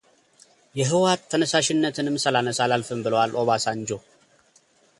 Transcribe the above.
የህወሓት ተነሳሽነትንም ሳላነሳ አላልፍም ብለዋል ኦባሳንጆ።